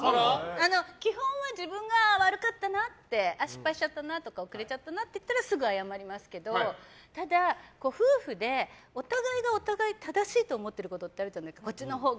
基本は自分が悪かったなって失敗しちゃったな遅れちゃったなって思ったらすぐに謝りますけどただ、夫婦でお互いがお互いに正しいと思ってることってあるじゃないですか。